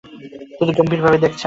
তিনি গম্ভীরভাবে নিয়েছেন।